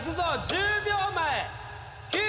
１０秒前。